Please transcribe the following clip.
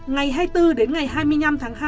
ngày hai mươi bốn đến ngày hai mươi năm tháng hai